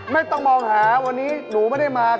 ไม่ต้องมองหาวันนี้หนูไม่ได้มา